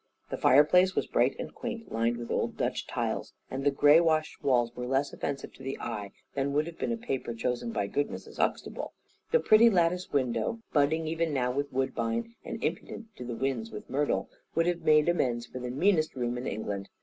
The fire place was bright and quaint, lined with old Dutch tiles, and the grey washed walls were less offensive to the eye than would have been a paper chosen by good Mrs. Huxtable. The pretty lattice window, budding even now with woodbine, and impudent to the winds with myrtle, would have made amends for the meanest room in England.